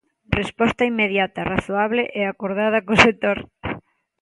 Resposta inmediata, razoable e acordada co sector.